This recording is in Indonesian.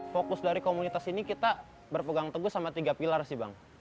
fokus dari komunitas ini kita berpegang teguh sama tiga pilar sih bang